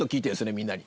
みんなに。